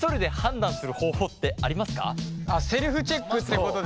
セルフチェックってことだよね？